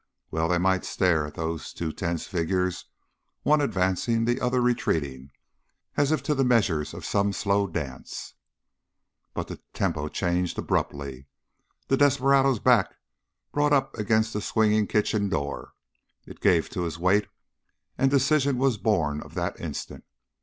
Well they might stare at those two tense figures, one advancing, the other retreating, as if to the measures of some slow dance. [Illustration: "DON'T COME ANY CLOSER. DON'T DO IT, I TELL YOU!"] But the tempo changed abruptly. The desperado's back brought up against the swinging kitchen door; it gave to his weight and decision was born of that instant.